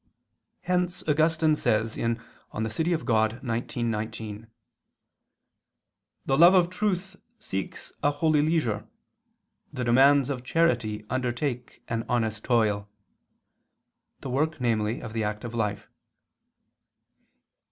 Hence Augustine says (De Civ. Dei xix, 19): "The love of truth seeks a holy leisure, the demands of charity undertake an honest toil," the work namely of the active life.